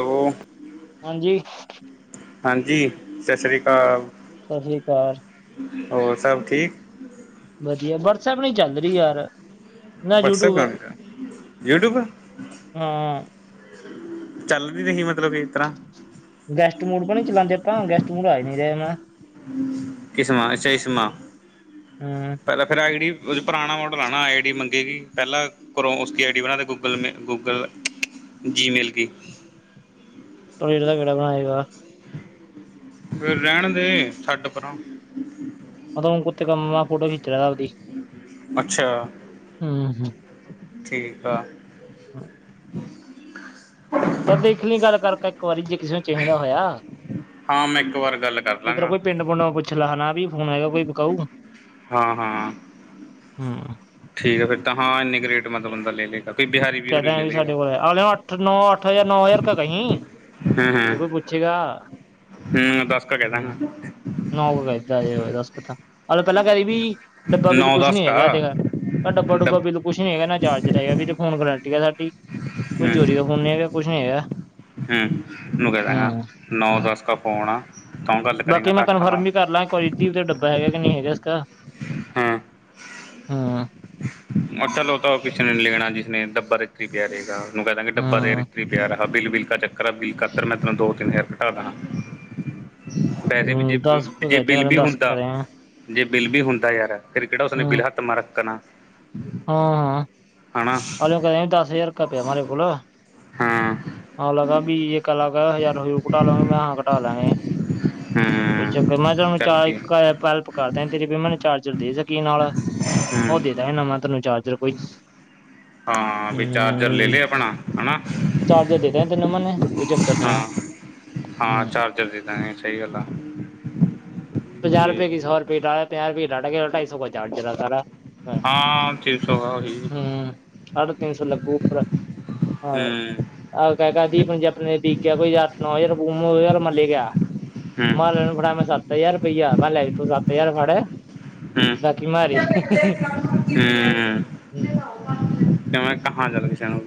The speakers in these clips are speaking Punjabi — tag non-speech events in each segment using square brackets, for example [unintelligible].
ਹੈਲੋ ਹਾਂਜੀ ਹਾਂਜੀ ਸਤਿ ਸ੍ਰੀ ਅਕਾਲ ਸਤਿ ਸ੍ਰੀ ਅਕਾਲ ਹੋਰ ਸਭ ਠੀਕ ਵਧੀਆ ਵਟਸਐਪ ਨਹੀਂ ਚੱਲ ਰਹੀ ਯਾਰ ਨਾ ਵਟਸਐਪ ਯੂਟਿਊਬ ਗਾਣੇ ਯੂਟਿਊਬ ਹਮ ਚੱਲਦੀ ਨਹੀਂ ਵੀ ਮਲਬ ਗੈਸਟ ਮੂਡ ਪੇ ਨੀ ਚਲਾਉਦੇ ਆਪਾਂ ਗੈਸਟ ਮੂਡ ਆਏ ਨਹੀਂਰੇ ਮ ਕਿਸਮਾਂ ਅੱ ਚਾਸ਼ਮਾਂ ਹਮ ਪਹਿਲਾਂ ਫੇਰ ਅਗੜ ਉਹ ਪੁਰਾਣਾ ਮਾਡਲ ਆਉਣਾ ਨਾ ਆਈ ਡੀ ਮੰਗੇਗੀ ਪਹਿਲਾਂ ਕਰੋਂ ਉਸੀ ਆਈ ਡੀ ਬਣਾ ਕੇ ਗੂਗਲ ਗੂਗਲ ਜੀਮੇਲ ਦੀ ੇ ਦਾ ਕਿਹੜਾ ਬਣਾਏਗਾ ਫਿਰ ਰਹਿਣ ਦੇ ਛੱਡ ਪਰਾ ਮ ਕੁੱਤੇ ਕੰਮ ਨਾਲ ਫੋਟੋ ਖਿੱਚ ਰਿਹਾ ਆਪਦੀ ਅੱਛਾ ਹਮ ਠੀਕ ਆ ਹਾਂ ।। ਤਾਂ ਦੇਖ ਲਈ ਗੱਲ ਕਰਕੇ ਇੱਕ ਵਾਰੀ ਜੇ ਕਿਸੇ ਨੂੰ ਚਾਹੀਦਾ ਹੋਇਆ, ਹਾਂ ਮੈਂ ਇੱਕ ਵਾਰ ਗੱਲ ਕਰ ਇਧਰ ਲਾਂਗਾ ਕੋਈ ਪਿੰਡ ਪੁੰਡ ਪੁੱਛ ਲੈ ਨਾ ਵੀ ਫੋਨ ਹੈਗਾ ਕੋਈ ਵਿਕਾਊ। ਹਾਂ ਹਾਂ ਹੂੰ। ਠੀਕ ਹੈ ਫਿਰ ਤਾਂ ਹਾਂ ਇੰਨੀ ਕੁ ਰੇਟ ਮਤਲਬ ਬੰਦਾ ਲੇ ਲੇਗਾ ਕੋਈ ਬਿਹਾਰੀ ਬਿਹੂਰੀ ਕਹਿਦਾਂਗੇ ਲੈ ਵੀ ਲਏਗਾ ਸਾਡੇ ਕੋਲ ਆਓ ਅੱਠ ਨੌ ਅੱਠ ਹਜ਼ਾਰ ਨੌ ਹਜ਼ਾਰ ਕਾ ਕਹੀ ਹੂੰ ਜੇ ਹੂੰ ਕੋਈ ਪੁੱਛੇਗਾ, ਹੂੰ ਦਸ ਕ ਕਹਿ ਹੂੰ ਦਾਂਗਾ ਨੌਂ ਕਾ ਕਹਿ ਦੀ ਦਸ ਕੁ ਤਾਂ ਆਹੋ ਪਹਿਲਾਂ ਕਹਿ ਦਈ ਵੀ ਡੱਬਾ ਬਿੱਲ ਨੌ ਕੁਛ ਦਸ ਨੀ ਹੈਗਾ, ਕਾ ਇਹਦੇ ਡੱਬਾ ਡੁੱਬਾ ਡੱਬ ਬਿਲ ਕੁਛ ਨੀ ਹੈਗਾ ਨਾ ਚਾਰਜਰ ਹੈਗਾ ਵੀਰ। ਹੁਣ ਗਰੰਟੀ ਆ ਸਾਡੀ। ਹੂੰ ਕੋਈ ਚੋਰੀ ਦਾ ਫੋਨ ਨੀ ਹੈਗਾ ਕੁਛ ਨੀ ਹੈਗਾ। ਹੂੰ ਮੈ ਨੂੰ ਕਹਿਦਾ ਗਾ ਹੂੰ ਨੌ ਹੂੰ ਦਸ ਕ ਫੋਨ ਆ ਤੋਂਹ ਗੱਲ ਕਰੇਗਾ ਬਾਕੀ ਤਾਂ ਮੈਂ ਅੱਠ ਕਨਫਰਮ ਵਾ। ਵੀ ਕਰ ਲਾਂ ਇੱਕ ਵਾਰੀ ਦੀਪ ਦਾ ਡੱਬਾ ਹੈਗਾ ਕਿ ਨਹੀਂ ਹੈਗਾ ਇਸਕਾ ਹਾਂ, ਹੂੰ ਮੈ ਚਲੋ ਤੋ ਉਹ ਕਿਸੇ ਨੇ ਲੈਣਾ ਜਿਸਨੇ ਡੱਬਾ ਤਾ ਇਥੀ ਪਿਆ ਰਹੇਗਾ। ਉਹਨੂੰ ਕਹਿਦਾ ਗੇ ਕਿ ਡੱਬਾ ਦੇ ਹੂੰ ਇੱਥੇ ਪਿਆ ਰ ਹਾਂ ਬਿੱਲ ਬਿੱਲਕਾ ਚੱਕਰ ਆ ਬਿੱਲ ਖਾਤਰ ਮੈਂ ਤੈਨੂੰ ਦੋ ਤਿੰਨ ਹਜਾਰ ਘਟਾ ਦਾ ਹਾਂ। ਪੈਸੇ ਵੀ ਜੇ ਹੂੰ ਦਸ ਕੁ ਜੇ ਕਹਿ ਦਿਆ ਬਿੱਲ ਉਹਨੇ ਵੀ ਦਸ ਕਹਿ ਹੁੰਦਾ ਜੇ ਬਿੱਲ ਵੀ ਹੁੰਦਾ ਯਾਰ ਫੇਰ ਕਿਹੜਾ ਉਸ ਨੇ ਬਿਲਹੱਤ ਮਾਰਕ ਕਰਾ। ਹਾਂ ਹਾਂ ਹਨਾ ਇਨੂ ਕਿਹਦੀ ਦਸ ਹਜ਼ਾਰ ਕੁ ਪਿਆ ਮਾਰੇ ਕੋਲ। ਹਾਂ ਅਗਲਾ ਕਹਿ ਵੀ ਇੱਕ ਲੱਖ ਹਜ਼ਾਰ ਹੁਜਾਰ ਘਟਾ ਲੋਂਗੇ ਮੈਂ ਕਿਹਾ ਹਾਂ ਘਟਾ ਲਾਂਗੇ ਕੋਈ ਹੂੰ ਚੱਕਰ ਨਹੀਂ ਮੈਂ ਕਿਹਾ ਚਲ ਮੈਂ ਚੱਲ ਚਾਰਜ ਪਈ ਹੂੰ ਇੱਕ ਹੈਲਪ ਕਰਦਾ ਤੇਰੀ ਵੀ ਮੈਨੂੰ ਚਾਰਜਰ ਦੇ ਸਕੀ ਨਾਲ ਉਹ ਦੇ ਦਾਗੇ ਨਵਾਂ। ਤੁਹਾਨੂੰ ਚਾਰਜਰ ਕੋ ਹਾਂ ਵੀ ਚਾਰਜਰ ਲੈ ਹੂੰ ਲਏ ਆਪਣਾ ਹਨਾ ਚਾਰਜਰ ਦੇ ਦਾਂਗੇ ਤੈਨੂੰ ਮਾਨੇ ਕੋਈ ਚੱਕਰ ਨੀ ਹਾਂ ਆ ਹੂੰ ਹਾਂ ਚਾਰਜਰ ਦੇ ਦਾਂਗੇ ਸਹੀ ਗੱਲ ਆ ਪੰਜਾਹ ਰੁਪਏ ਠੀਕ ਕੀ ਸੌ ਰੁਪਏ ਲਾਲਿਆ ਪੰਜਾਹ ਰੁਪਏ ਡਾਟਾ ਕੇਬਲ ਢਾਈ ਕਾ ਚਾਰਜ ਲਾਲਾ ਸਾਰਾ। ਹਾਂ। ਤਿੰਨ ਸੌ ਕਾ ਹੋ ਲਈ। ਹੂੰ ਸਾਢੇ ਤਿੰਨ ਸੌ ਲੱਗੂ ਉੱਪਰ। ਹੂੰ ਹਾਂਏ ਅ ਕ ਕਦੀ ਪ੍ਰਾਜੈਕਟ ਨੇ ਦੇਤੀ। ਕਿਆ ਕੋਈ ਅੱਠ ਨੌ ਹਜ਼ਾਰ ਗੁੰਮ ਹੋ ਗਿਆ ਯਾਰ ਮੰਨ ਲੇ ਗਾ। ਹੂੰ ਮਾਲੇ ਨੂੰ ਫੜਿਆ ਮੈਂ ਸੱਤ। ਸੱਤ ਹਜ਼ਾਰ ਰੁਪਈਆ ਮੈਂ ਕਿਹਾ ਲੈ ਤੂੰ ਸੱਤ ਹਜ਼ਾਰ ਫੜ ਹੂੰ ਬਾਕੀ ਮਾਰੇ। ਹੂੰ। ਹੂੰ ਤੇ ਮੈਂ ਕਿਹਾ ਚਲ ਕਿਸੇ ਨੂੰ।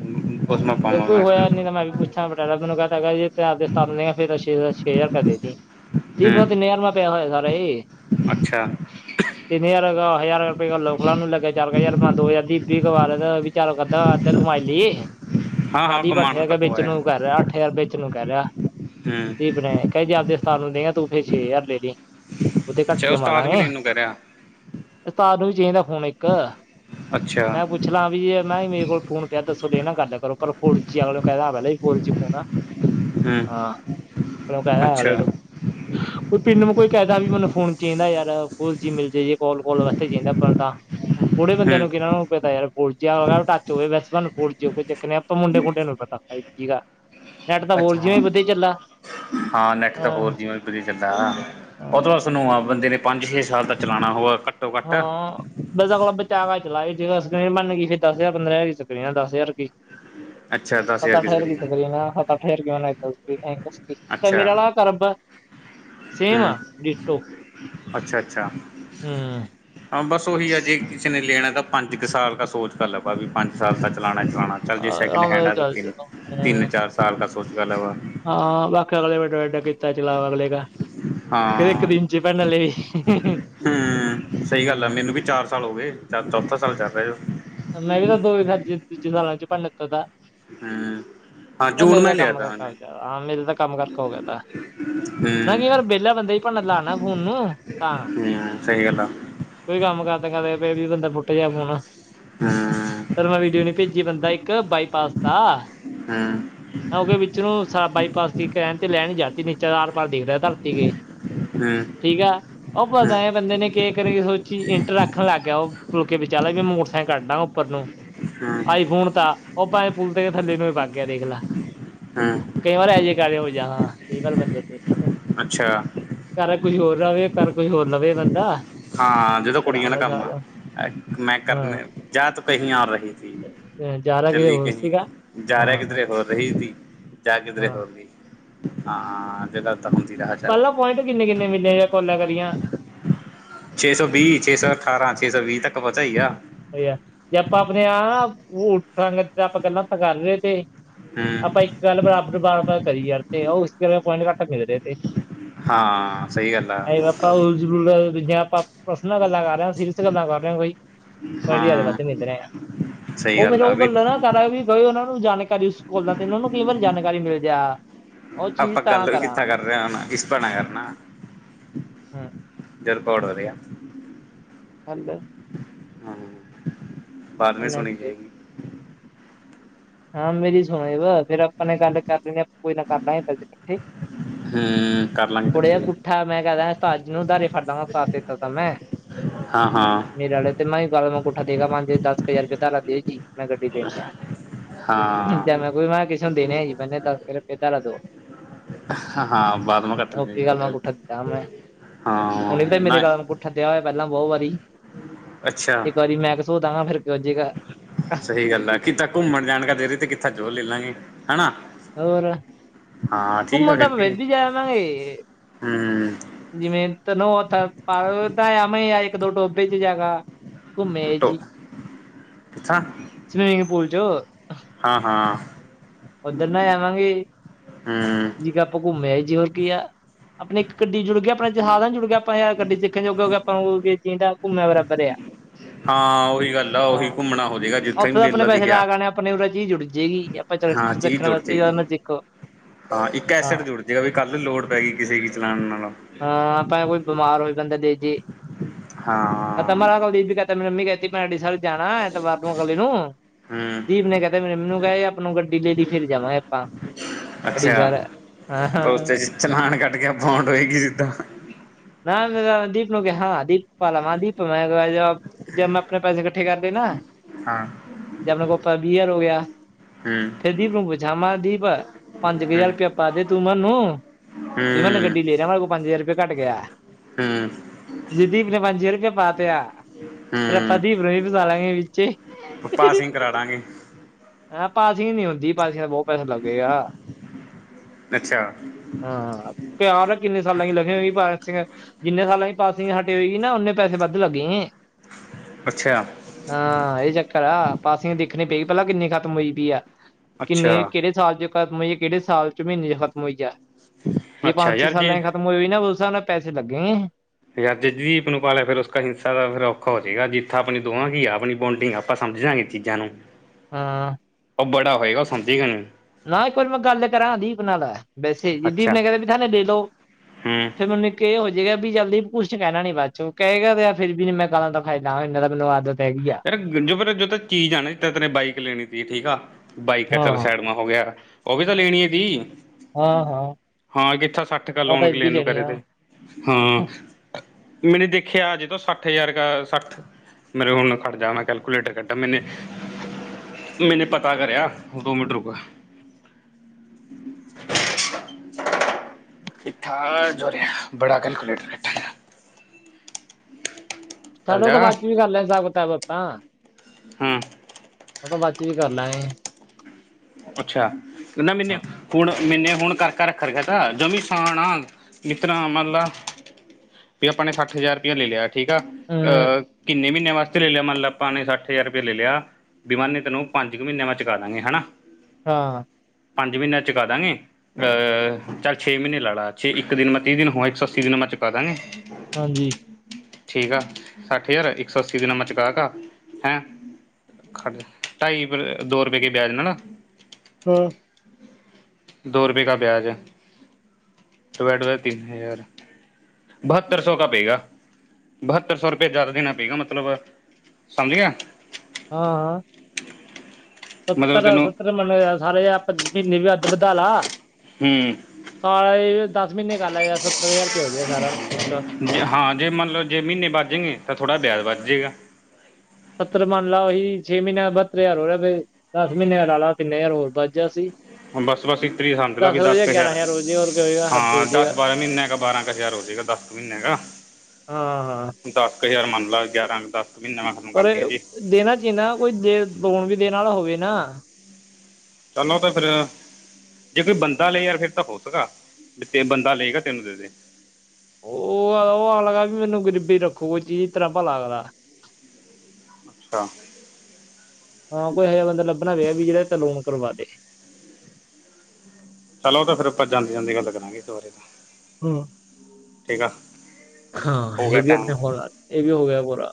ਉਸਮੇ ਜੇ ਪਾਵਾਂ ਕੋਈ ਹੂੰ ਹੋਇਆ ਨਹੀਂ ਮੈਂ ਤਾਂ ਵੀ ਪੁੱਛਾ ਬਟਾਲਾ ਕੋਲੋਂ। ਹੈਗਾ ਜੇ ਤਿਉਹਾਰ ਦੇ ਸਥਾਨੇ ਫਿਰ ਅਸੀ। ਹੇਅਰ ਕਰਦੇ ਨਹੀਂ ਹੀ ਬਗ ਨੇਅਰ ਬਕ। ਪਇਆ ਹੋਇਆ ਘਰੇ? ਅੱਛਾ। ਦਿੱਤਾ ਗਾ ਹਜ਼ਾਰ ਹਜ਼ਾਰ ਰੁਪਏ ਲੌਕ ਲੋਣ ਨੂੰ ਲੱਗਿਆ ਚਾਰ ਹਜ਼ਾਰ ਆਪਣਾ ਮੈਂ ਦੋ ਹਜ਼ਾਰ ਤੀਹ ਤੇ ਇੱਕੀ ਲਾ ਵੀ ਚੱਲ ਅੱਧਾ ਅੱਧ ਕਮਾਈ ਲਈਏ। ਹਾਂ ਹਾਂ ਤਾਜੀ ਪੱਠ ਘੁਮਾਣਾ ਤਾਂ ਹੈਂ ਹੋ ਵੇਚਣ ਆਇਆ ਨੂੰ ਕਹਿ ਰਿਹਾ ਅੱਠ ਹਜ਼ਾਰ ਵੇਚਣ ਨੂੰ ਕਹਿ ਰਿਹਾ ਹੂੰ ਦੀਪ ਨੇ ਕਹਿ ਕੇ ਆਪਦੇ। ਸਾਨੂੰ ਦੇਗਾ ਤੂੰ ਫੇਰ ਛੇ ਹਜ਼ਾਰ ਰੁਪਏ ਦੀ। ਉਹ ਤੇ ਘੱਟ ਅੱਛਾ ਕਮਾਵਾਂ ਉਸਤਾਦ ਵੀ ਲਾਗੇ ਲੈਣ ਨੂੰ ਕਹਿ ਰਿਹਾ ਅਸੀਂ ਤਾਂ ਆਪ ਵੀ। ਇਹ ਨਾ ਹੁਣ ਇੱਕ। ਅੱਛਾ ਮੈਂ ਪੁੱਛ ਲਾ ਵੀ ਔਰ ਨਾਹੀਂ ਮੇਰੇ ਕੋਲ ਫੋਨ ਪਿਆ। ਦੱਸੋ ਵੇ ਨਾਲ ਕਰ ਲਿਆ ਕਰੋ? ਭਰਪੂਰ ਚਾਵਲ। ਕਰਿਆ ਮੈਂ ਵੀ ਸੀ ਫੋਨ 'ਚ ਫੋਨ ਆ ਹੂੰ ਹਾਂ ਚਲ ਕਹਿੰਦਾ ਅੱਛਾ ਹਾਲੇ ਤੈਨੂੰ ਕੋਈ ਕਹਿੰਦਾ ਵੀ ਮੈਨੂੰ ਫੋਨ। ਜੇ ਨਾ ਯਾਰ ਕੋਲ ਜੀ ਮਿਲ ਜੇ ਕੌਲ ਕੌਲ ਵਾਸਤੇ ਚਾਹੀਦਾ ਆਪਾਂ ਨੂੰ ਤਾਂ। ਹੂੰ ਬੁੱਢੇ ਬੰਦਿਆ ਹੂੰ ਨੂੰ ਕਿਹੜਾ ਪਤਾ ਯਾਰ ਫੋਨ ਹੋਗਾ ਉਹ ਟੱਚ ਹੋਵੇ ਬਸ। ਨੂੰ ਫੋੜ ਜਾ ਆਪ ਮੁੰਡੇ ਕੁਡੇ ਨੂੰ ਪਤਾਗਾ, ਅੱਛਾ ਹਾਂ ਨੈਟ ਤਾਂ ਫੋਰ ਜੀ ਵਧੀਆ ਚਲਾ ਔ ਤੋ ਬਸ ਨਿਓ ਏ ਬੰਦੇ ਨੇ ਪੰਜ ਛੇ ਸਾਲ ਤ ਚਲਾਣਾ ਹੋਆ। ਹਾਂ ਬਾ ਕੁਲ ਬੱਚਾ ਕੇ ਚਲਵਾ, ਅ ਮਾਨੇ, ਫੇ ਦਸ ਹਜ਼ਾਰ ਪੰਦਰਾਂ ਹਜ਼ਾਰ ਚੱਕਣੇ ਆ ਦੱਸ। ਫੇਰ ਕੀ, ਅੱਛਾ ਦਸ ਸਤ ਹਜ਼ਾਰ ਅੱਠ ਦੀ ਹਜਾਰ ਸਕਰੀਨ ਇਕ ਤੋ ਲੇਨਾ ਸਤ ਅੱਠ ਹਜ਼ਾਰ ਇਕ ਤੋ ਲੇਨਾ, ਤਾਂ ਅੱਛਾ ਮੇਰਾ ਆ ਕਰਬ ਹੂੰ ਸੇਮ ਆ ਡੀਟੋ ਅੱਛਾ-ਅੱਛਾ ਹੂੰ, ਹਾਂ ਬਸ ਉਹੀ ਆ ਜੇ ਕਿਸੇ ਨੇ ਲੈਣਾ। ਤਾਂ ਪੰਜ ਕੁ ਸਾਲ ਕ ਸੋਚ ਕਰ ਲਮਾ ਵੀ ਪੰਜ ਸਾਲ ਦਾ ਚਲਾਣਾ ਚ ਜ ਸੈਕਿੰਡ ਹੈਂਡ ਆ ਤਾ ਤਿੰਨ ਚਾਰ ਸਾਲ ਕ ਕੁਸ ਗੱਲ ਹੈ ਵਾ, ਹਾਂ ਬਾਕੀ ਅਗਲੇ [unintelligible] ਤਾ ਚਲਾਓ ਅਗਲੇਗਾ ਕਿਦੇ ਇੱਕ ਹਾਂ ਦਿਨ ਚ ਭੈਣ ਲਈ ਵੀ, ਹੂੰ, ਸਹੀ ਗੱਲ ਆ ਮੈਨੂੰ ਵੀ ਚਾਰ ਸਾਲ ਹੋ ਗਏ ਚੌਥਾ ਸਾਲ ਚੱਲ ਰਿਹਾ ਮੈਂ ਵੀ ਤਾਂ ਦੋ ਵੀ, [unintelligible] ਹੂੰ ਹਾਂ ਚ ਜੂਨ ਮੇਰੇ ਮੈਂ ਦਾ ਲਿਆ ਕੰਮ ਤਾ ਕਰਕਾ ਮੈਨੇ ਹੋ ਜਾ ਹਾਂ ਮੇਰੇ ਤਾਂ ਕੰਮ ਕਰਕਾ ਹੋ ਗਿਆ ਤ ਮੈਂ ਹੂੰ-ਹੂੰ ਕਿਹਾ ਕੀ ਵਾਰ ਵਿਹਲਾ ਬੰਦਾ ਹੀ ਭਨ ਲਾ ਫੋਨ ਨੂੰ ਤਾਂ, ਸਹੀ ਗੱਲ ਐ, ਕੋਈ ਕੰਮ ਕਰਦੇ ਕਰਦੇ ਪ ਵੀ ਬੰਦਾ ਪੁੱਟ ਜੇ ਫੋਨ ਹੂੰ-ਹੂੰ-ਹੂੰ-ਹੂੰ-ਹੂੰ ਫ ਮੈਂ ਵੀਡੀਓ ਨੀ ਭੇਜੀ ਬੰਦਾ ਇੱਕ ਇੱਕ ਬਾਈਪਾਸ ਦਾ ਉਹਦੇ ਵਿੱਚ ਨੂੰ ਹੂੰ, ਬਾਈਪਾਸ ਕੀ ਰਹਿਣ ਤੇ ਲੈ ਨੀ ਜਾਤੀ ਨੀਚਾ ਆਰ ਪਾਰ ਦੇਖਦਾ ਧਰਤੀ ਕੇ ਹੂੰ, ਠੀਕ ਆ ਉਹ ਪਤਾ ਐ ਬੰਦੇ ਨੇ, ਸੋਚੀ ਇੰਟਰ ਰੱਖਣ ਲੱਗ ਗਿਆ ਉਹ ਪੁਲ ਕੇ ਵਿਚਾਲਾ ਵੀ ਮੋਟਰਸਾਈਕਲ ਕੱਢਣਾ ਉੱਪਰ ਨੂੰ ਆਈਫੋਨ ਤਾਂ ਉਹ ਭਾਵੇਂ ਪੁੁਲਦੇ ਕੇ ਥੱਲੇ ਨੂੰ ਵੀ ਪਾ, ਦੇਖ ਲਾ ਕਈ ਵਾਰ ਇਹ ਜਿਹੇ ਕਰਹੇ ਹੋ ਜਾ ਹਾਂ, ਇਹ ਵਾਰ ਬਣਦੇ ਤੇ, ਅੱਛਾ ਸਾਰਾ ਕੁਝ ਹੋਰ ਰਵੇ ਪਰ, ਕੋਈ ਹੋਰ ਲਵੇ ਬੰਦਾ, ਹਾਂ ਜਦੋਂ ਉਤਰਾਂ ਕੁੜੀਆਂ ਦਾ ਕੰਮ ਆ ਸਾਰਾ ਮੈਂ ਕਰਨੇ ਹਾਂ ਜਾ ਤ ਕਹੀ ਆ ਰਹੀ ਸੀ, ਜ਼ਿਆਦਾ ਕਿਤੇ ਚੱਲੀ ਹੋਰ ਕਹੀ ਸੀਗਾ ਜਾ ਹਾਂ ਰਿਹਾ, ਕਿਧਰੇ ਹੋਰ ਰਹੀ ਸੀ, ਜਾ ਕਿਧਰੇ ਹਾਂ ਹੋਰ ਰਹੀ। ਹਾਂਾਂ [unintelligible] ਪਹਿਲਾਂ ਪੁਆਇੰਟ ਕਿੰਨੇ ਕਿੰਨੇ ਮਿਲੇ ਕੋਲਾ ਕਰੀਆਂ ਛੇ ਸੌ ਵੀਹ, ਛੇ ਸੌ ਅਠਾਰਾਂ, ਛੇ ਸੌ ਵੀਹ ਤੱਕ ਪਹੁੰਚਾਈ ਆ। ੂੰਗ [unintelligible] ਤੇ ਆਪਾਂ ਗੱਲਾਂ ਥਾਂ ਕਰ ਰਹੇ ਤੇ ਆਪਾਂ ਹੂੰ ਇੱਕ ਗੱਲ ਬਰਾਬਰ ਬਾਰ ਬਾਰ ਕਰੀ ਯਾਰ ਤੇ ਓ ਇਸ ਕਰਕੇ ਪੁਆਇੰਟ ਘਟ ਮਿਲ ਰ ਤੇ ਹਾਂ ਸਹੀ ਗੱਲ ਆ ਅ ਆਪਾ ਉਲ ਜ਼ਲਾਲੁ ਜੇ ਆਪਾਂ ਪਰਸਨਲ ਗੱਲਾਂ ਕਰ ਰਹੇ ਹ ਗੱਲਾਂ ਕਰ ਰੇਆ ਕੋਈ। ਇੰਡੀਆ ਦੇ ਹਾਂ ਵੱਧ ਨਿੰਦ ਰਹੇ ਆ [unintelligible] ਸਹੀ ਉਹ ਫੇ ਆ ਉਹ ਵੀ ਗੱਲ ਨਾ ਕਰਦਾ ਵੀ ਗਏ ਉਹ ਜਾਣਕਾਰੀ ਉਸ ਕੋਲ ਦਾ ਤੇ ਇਹਨਾਂ ਨੂੰ ਕਈ ਵਾਰੀ ਜਾਣਕਾਰੀ ਮਿਲ ਜਾ। ਉਹ ਚੀਜ਼ ਆਪਾਂ ਤਾਂ ਗੱਲ ਵੀ ਕਰਾਂ ਕਿੱਥਾਂ ਕਰ ਰਹੇ ਹੁਣ ਇਸ ਪੈਣਾ ਕਰਨਾ। ਹੂੰ। ਰਿਕਾਰਡ ਹੋ ਰਿਆ। ਹਾਂਜੀ। ਹੂੰ। ਬਾਅਦ ਮੇ ਇਹਨਾਂ ਸੁਣੀ ਦੀ ਜਾਏਗੀ। ਹਾਂ ਮੇਰੀ ਸੁਣੀ ਵਾ ਫੇਰ ਅਪ ਆਪਾਂ ਨੇ ਗੱਲ ਕਰ ਲੈਂਦੇ ਹ ਆਪਾਂ ਕੋਈ ਨਾ ਕਰ ਲਾਂਗੇ ਇਕੱਠੇ ਹੂੰ ਕਰ ਲਾਂਗੇ ਥੋੜ੍ਹੇ ਜਿਹਾ ਇਕੱਠੇ ਗੁੱਠਾ ਮੈਂ ਕਹਿ ਦ ਤਾਜ ਨੂੰ ਦਾਰੇ ਖਡ ਤਾਂ ਤੇ ਤਾਂ ਤੈ ਮੈਂ ਹਾਂ ਹਾਂ ਮੇਰੇ ਆਲੇ ਤੇ ਮੈਂਹੀ ਗਲ ਮੈਂ ਕੁ ਆ ਦੇਗਾ ਮਨੇ ਦਸ ਕ ਹਜ਼ਾਰ ਰੁਪਏ ਦਾ ਲਾ ਦੇ ਜੀ। ਮੈਂ ਗੱਡੀ ਦੇਣੀ ਆ। ਹਾਂ। ਕਿਸ ਹੋਂ ਦੇ ਨੇ ਜੀ ਮੈਂਨੇ ਦਸ ਕਿ ਰੁਪਏ ਦਾਰਾ ਦਿਉ ਹਾਂ ਬਾਦ ਮ ਕਰਟ ਓਕੇ ਗੱਲ ਮੈਂ ਗੁੱਠਾ ਦਿੱਤਾ ਮੈਂ [unintelligible] ਹਾਂ ਉਹਨੇ ਤਾਂ ਮੇਰੇ ਨਹੀਂ ਗੱਲ ਨੂੰ ਗੁੱਠਾ ਦਿਆ ਹੋਇਆ ਪਹਿਲਾਂ ਬਹੁਤ ਵਾਰੀ ਇੱਕ ਵਾਰੀ ਮੈਂ ਸ ਤਾਂਗਾ ਫਿਰ ਜੀਗਾ [unintelligible] ਸਹੀ ਗੱਲ ਆ ਕਿੱਦਾਂ ਘੁੰਮਣ ਜਾਣ ਦੇ ਰਹੀ ਤੇ ਕਿੱਥਾਂ ਜੋ ਲੈ ਲਾਂਗੇ ਹੈਨਾ। ਹੋਰ। ਆ ਘੁੰਮਣ ਤਾਂ ਫਿਰ ਪਾ ਫੇਰ ਵੀ ਜਾ ਆਂਵਾਂਗੇ। ਹੂੰ ਜਿਵੇਂ ਤੈਨੂੰ ਓਥ ਪਾ ਤਾਂ ਐਵੇਂ ਆ ਇੱਕ ਦੋ ਟੋਭੇ ਚ ਜਾਗਾ। ਘੁੰਮ ਮੇ ਜੀ। ਪਿੱਛਾ ਸਵਿਮਿੰਗ ਪੂਲ ਚ ਹਾਂ ਹਾਂ। ਉਧਰ ਨਾ ਆਵਾਂਗੇ, ਹੂੰ ਜੀਕੇ ਆਪਾਂ ਘੁੰਮੇ ਅ ਹੋਰ ਕੀ ਆ ਆਪਣੀ ਇੱਕ ਗੱਡੀ ਜੁੜ ਗ ਆਪਣੇ ਜਹਾਜ ਅ ਜੁੜ ਗਏ ਆਪਾਂ ਯਾਰ ਗੱਡੀ ਸਿੱਖਣ ਜੋਗੇ ਹੋਗੇ ਆਪਾਂ ਹੋ ਗ ਜੀਦਾ ਘੁੰਮਿਆ ਬਰਾਬਰ ਆ। ਹਾਂ ਉਹੀ ਗੱਲ ਆ ਉਹੀ ਹਾਂ ਘੁੰਮਣਾ ਹੋਜੇਗਾ ਜਿੱਥੇ ਵੀ ਉੱਥੇ ਤਾਂ ਆਪਣੇ ਮੇਲਾ ਪੈਸੇ ਦੀਖਿਆ, ਲਾ ਗਣੇ ਆਪਣੇ ਉਰੇ ਚੀਜ਼ ਜੁੜ ਜਾਏਗੀ ਆਪਾਂ ਹਾਂ। ਹਾਂ ਚੀਜ਼ ਸਿੱਖਣ ਜੁੜ ਵਾਸਤੇ ਜੇਗੀ, ਜਾਂ ਨਾ ਸਿੱਖੋ ਹਾਂ ਇੱਕ ਹਾਂ ਐਸਿਡ ਜੁੜ ਜੇਗਾ ਵੀ ਕੱਲ ਲੋੜ ਪੈਗੀ ਕਿਸੇ ਕੀ ਚਲਾਣ ਨਾਲੋਂ। ਜੀ ਓ, ਤਾ ਹਾਂ ਮਾਰਾ ਕਲਦੀਪ ਵੀ ਕੈਰਤਾ ਮੇਰੀ ਮੰਮੀ ਕੇਰੀ ਭੈਣਡੀ ਸ ਜਾਣਾ ਐਤਵਾਰ ਨੂੰ ਅਗਲੇ ਨੂੰ, ਹੂੰ ਦੀਪ ਨੇ ਕਹਿ ਤਾਂ, ਮੇਰ ਮਮੀ ਕਹਿ ਆਪ ਨੂੰ ਗੱਡੀ ਫੇਰ ਜਾਵਾਗੇ, ਆਪਾ ਅੜੀ ਸਇਬ ਅੱਛਾ ਜ਼ਾਰ ਅਹਾ, ਉਸਤੇ ਚਲਾਨ ਕੱਟ ਕੇ ਬੌਂਡ ਹੋਏਗੀ ਸਿੱਧਾ ਨਾ ਮੇਰਾ ਦੀਪ ਨੂੰ ਕੇਹਾ ਪਲਾਮਾ ਦੀਪ ਮੈਂ ਜਅ ਮੈਂ ਆਪਣੇ ਪੈਸੇ ਕੱਠੇ ਕਰ ਲੇ ਨਾ, ਹਾਂ ਜਦ ਮੇਰੇ ਕੋਲ‌ ਪ ਵੀਹ- ਹਜ਼ਾਰ ਹੋ ਗਿਆ। ਹੂੰ ਫੇਰ ਦੀਪ ਨੂੰ ਪੁੱਛਾਂ ''ਮੈਂ ਦੀਪ। ਪੰਜ- ਕੁ ਹੂੰ ਹਜ਼ਾਰ ਰੁਪਇਆ ਪਾਦੇ ਤੂੰ ਮਾਨੂੰ ਵੀ ਮਾਨੇ ਹੂੰ ਗੱਡੀ ਲੈ ਰਿਆ ਮਾਰੇ ਕੋਲ ਪੰਜ- ਹਜ਼ਾਰ ਰੁਪਇਆ ਘੱਟ ਗਿਆ, ਹੂੰ ਜੇ ਦੀਪ ਨੇ ਪੰਜ ਹਜ਼ਾਰ ਰੁਪਆ ਪਾ ਤੇ, ਆ ਫਿਰ ਆਪਾਂ ਹੂੰ ਦੀਪ ਨੂੰ ਵੀ ਫਸਾਲਾਂਗੇ ਵਿੱਚੇ। ਪਾਸਿੰਗ ਕਰਾ ਦਾਂਗੇ ਆਪ ਪਾਸਿਂਗ ਨੀ ਹੁੰਦੀ ਪਾਸੀਆਂ ਤ ਬਹੁ ਪੈਸੇ ਲੱਗੇ ਗਾ, ਅੱਛਾ ਹਾਂ ਪਿਆਰ ਕਿੰਨੇ ਸਾਲਾਂ ਕ ਲਖੇਗੀ ਪਾਸਿਂਗ? ਜਿੰਨੇ ਸਾਲਾਂ ਦੀ ਪਾਸਿਂਗ ਹਟੇ ਹੋਈ ਗੀ, ਨਾ ਓਨੇ ਪੈਸੇ ਵੱਧ ਲੱਗੇਏ। ਹਾਂ ਇਹ ਚੱਕਰ ਆ ਪਾਸਿਗ ਦੇਖਣੀ ਪੇਗੀ ਪਲਾ ਕਿੰਨੀ ਖਤਮ ਹੋਈ? ਪੀਆ ਕਿੰਨੇ, ਕਿਹੜੇ ਸਾਲ'ਚ? ਖਤਮ ਹੋਈ ਕਿਹੜੇ ਸਾਲ'ਚ ਮਹੀਨੇ'ਚ ਖ਼ਤਮ ਹੋਈ ਆ? ਜੇ ਪੰਜ-ਛੇ ਸਾਲਾਂ'ਚ ਖਤਮ ਹੋਈ-ਹੋਈ ਨਾ ਬ ਸਾਅ ਨਾ ਪੈਸੇ ਲੱਗਗੇ। ਯਾਰ ਜੇ ਦੀਪ ਨੂੰ ਪਾਲਿਆ ਫਿਰ ਉਸ ਕਾ ਹਿੰਸਾ ਦਾ ਫਿਰ, ਔਖਾ ਹੋ ਜੇਗਾ ਜਿੱਥਾ ਆਪਣੀ ਦੋਹਾਂ ਕੀ ਆ ਆਪਣੀ ਬੋਂਡਿੰਗ ਆ, ਆਪਾਂ ਸਮਝਾਂਗੇ ਚੀਜ਼ਾਂ ਨੂੰ ਹਾਂ। ਉਹ ਬੜਾ ਹੋਏਗਾ ਉਹ ਸਮਝੇਗਾ ਨਾ ਨਾ ਇੱਕ ਵਾਰੀ ਮੈਂ ਗੱਲ ਕਰਾਂ ਦੀਪ ਨਾਲ। ਵੈਸੇ ਜ ਦੀਪ ਅੱਛਾ ਨੇ ਕਹਿ ਵੀ ਥਾਨੇ ਲੈਲੋ ਹੂੰ ਫਿਰ, ਮੈਨੇ ਇੱਕ ਇਹ ਹੋ ਜਾਏਗਾ ਵੀ ਜਲਦੀਪ ਕੁੱਛ ਕਹਿਣਾ ਨੀ ਬਾਦ ਚੋ ਕਹਿਗਾ ਤੇ ਆ ਫੇਰ ਵੀ ਮੈਂ ਗਾਲਾਂ ਤਾਂ ਖਾਈ ਲਾਗਾ ਇੰਨਾ ਤਾ ਮੈਨੂੰ ਆਦਤ ਹੈਗੀ ਆ ਯਾਰ ਜੋ ਪਰ ਜੋ ਤਾ ਚੀਜ਼ ਆ ਨਾ, ਜੀਤਰਾ ਤੇਨੇ ਬਾਈਕ ਲੈਣੀ ਤੀ ਠੀਕ ਆਲ ਬਾਈਕ ਆ ਹਾਂ ਚੱਲ ਸਾਈਡ ਮਾ ਹੋ ਗਿਆ ਉਹ ਵੀ ਤਾਂ ਲੈਣੀ ਹੈ ਫ ਹਾਂ ਹਾਂ ਹਾਂ ਕਿੱਥਾ ਸੱਠ ਕ ਉਹ ਤਾਂ ਲਾਉਣ ਏਦਾਂ ਹੀ ਗਲੇਨੂੰ ਲੈਣੀ ਕਰੇ ਆ ਤੇ ਹਾਂ ਮੈਨੇ ਦੇਖਿਆ ਜਦੋਂ ਸੱਠ ਅੱਠੇ ਹਜ਼ਾਰ ਕ ਸੱਠਤ ਮਤਰੇ ਹੁਣ ਖੜ ਜਾ ਮੈਂ ਕੈਲਕੂਲੇਟਰ ਕੱਢਾ ਮੈਨੇ ਮੈਨੇ ਪਤਾ ਕਰਿਆ ਦੋ ਮੀਟੰ ਰੁਕ ਠਾ [inaudible] ਬੜਾ ਕੈਲਕੂਲੇਟਰ ਰੱਖ ਸਾਡੇ ਤਾਂ ਬਾਅਦ ਚ ਵੀ ਕਰ ਲੈ ਸਗ ਤਾਂਾਂ [inaudible] ਹੂੰ ਬਾਚ ਵੀ ਕਰ ਲਾਗੇ ਅੱਛਾਹਿੰ ਨਾ ਮੈਨੇ ਹੁਣ [unintelligible] ਮੈਨੇ ਹੁਣ ਕਰਕਾ ਰੱਖਰ ਗਿਆ ਤਾ ਜੋ ਵੀ ਸਾਨ ਆ ਮਿੱਤਰ ਮੰਨਾ ਵੀ ਆਪਾਂ ਨੇ ਸੱਠ ਹਜ਼ਾਰ ਰੁਪਇਆ ਲੈ ਲਿਆ ਠੀਕ ਆ ਹਮ ਅਹ ਕਿੰਨੇ ਮਹੀਨੇ ਵਾਸਤੇ ਲੈ ਲਿਆ ਮੰਨਲਬ ਆਪਾਂ ਨੇ ਸੱਠ ਹਜ਼ਾਰ ਰੁਪਆ ਲਿਆ ਬਿਮਾਨੇ ਤੈਨੂੰ ਪੰਜ ਕੁ ਮਹੀਨਿਆਂ ਵ ਚੁਕਾ ਦਾਂਗੇ ਹਨਾ ਹਾਂ ਪੰਜ ਮਹੀਨਾੇ ਚੁਕਾ ਦਾਂਗੇ ਅਹ ਚੱਲ ਛੇ ਮਹੀਨੇ ਲਾ ਲਾ ਛੇ ਇੱਕ ਦਿਨ ਮੈਂ ਤੀਹ ਦਿਨ ਹੋਇ ਇੱਕ ਸੌ ਅੱਸੀ ਦਿਨ ਮੈਂ ਚੁਕਾ ਦਾਂਗੇ ਹਾਂਜੀ ਠੀਕ ਆ ਸੱਠ ਹਜ਼ਾਰ ਇੱਕ ਸੌ ਅੱਸੀ ਦੇ ਨ ਮਾਂ ਚਕਾ ਕੇ ਆ ਹੈਂ ਢਾਈ ਦੋ ਰੁਪਏ ਕੇ ਬਆਜ ਨਾਲ ਨਾ ਹਾਂ ਦੋ ਰੁਪਏ ਕਾ ਪਿਆਜ ਟਮੈਟੋ ਤਿੰਨ ਹਜ਼ਾਰ ਬਹੱਤਰ ਸੌ ਕਾ ਪਏਗਾ ਬਹੱਤਰ ਸੌ ਰੁਪਏ ਜਿਆਦਾ ਦੇਣਾ ਪਏਗਾ ਮਤਲਬ ਸਮਝ ਗਿਆ ਹਾਂ, ਹਾਂ। ਮਤਲਬ ਸਤਰਾ ਤੈਨੂੰ ਸਤਰ ਮਨ ਸਾਰੇ ਮਹੀਨੇ ਵੀ ਅੱਧ ਵਧਾ ਲਾ ਹੂੰ ਸਾਰੇ ਦਸ ਮਹੀਨੇ ਕਰ ਲੈ ਯਾਰ ਸੱਤਰ ਹਜ਼ਾਰ ਰੁਪਇਆ ਹੋ ਜਾਏਗਾ ਸਾਰਾ ਉਸਕਾ ਜੇ ਹਾਂ ਜੇ ਮੰਨਲਓ ਜੇ ਮਹੀਨੇ ਵੱਧ ਜਾਣਗੇ ਤਾਂ ਥੋੜਾ ਬਿਆਜ ਵੱਧ ਜੇਗਾ ਸੱਤਰ ਮੰਨ ਲਾ ਉਹੀ ਛੇ ਮਹੀਨਿਆਂ ਦਾ ਬਹੱਤਰ ਹਜ਼ਾਰ ਹੋਹਾ ਦਸ ਮਹੀਨਿਆਂ ਦਾ ਲਾ ਲਾ ਤਿੰਨੇ ਹਜ਼ਾਰ ਹੋਰ ਵੱਧ ਜਾ ਸੀ। ਬਸ ਬਸ ਏਤ੍ਰਾਂ ਹੀ ਸਮਝ ਲਾ ਵੀ ਦਸ ਕ ਹਜ਼ਾਰ। ਹਾਂ, ਦਸ ਬਾਰਾਂ ਮਹੀਨਿਆਂ ਕਾ ਬਾਰਾਂ ਕ ਹਜ਼ਾਰ ਹੋ ਜੇਗਾ ਦਸ ਕ ਮਹੀਨਿਆਂ ਕਾ। ਹਾਂ-ਹਾਂ ਦਸ ਕ ਇੱਕ ਹਜ਼ਾਰ ਮੰਨ ਲਾ ਗਿਆਰਾਂ ਕ ਦਸ ਕੁ ਮਹੀਨੇ ਮੈਂ ਖਤਮ ਕਰ ਪਰ ਏ ਦਈਏ ਜੀ ਦੇਣਾ ਚਈਂਦਾ ਨਾ, ਕੋਈ ਦੇ ਲੋਣ ਵੀ ਦੇਣ ਵਾਲਾ ਹੋਵੇ। ਨਾ ਚਲ ਓ ਤੇ ਫੇਰ, ਜੇ ਕੋਈ ਬੰਦਾ ਲਏ ਯਾਰ ਫਿਰ ਤਾਂ ਹੋ ਸਕਾ। ਵੀ ਬੰਦਾ ਲਏਗਾ ਤੈਨੂੰ ਦੇ ਦੇ ਓ-ਅ-ਓ ਆ ਲਗਾ ਵੀ ਮੈਨੂੰ ਗ਼ਰੀਬੀ ਰੱਖੋ ਕੋਈ ਚੀਜ਼ ਤੇਰਾ ਭਲਾ ਕਰਾ ਅੱਛਾ। ਹਾਂ, ਕੋਈ ਇਹੋ ਜਿਹਾ ਬੰਦਾ ਲੱਭਣਾ ਪਏਗਾ, ਵੀ ਜਿਹੜਾ ਏਹ ਤੇ ਲੋਨ ਕਰਵਾ ਦੇ। ਚਲ ਉਹ ਤਾਂ ਫੇਰ ਆਪਾਂ ਜਾਂਦੇ ਜਾਂਦੇ ਗੱਲ ਕਰਾਂਗੇ ਇਸ ਵਾਰੇ। ਹਮ। ਠੀਕ ਆ। ਹਾਂ ਹੋ ਗਿਆ ਇਹ ਵੀ ਟਾਈਮ ਆਪਣੇ ਹੋਣਾ। ਇਹ ਵੀ ਹੋ ਗਿਆ ਪੂਰਾ।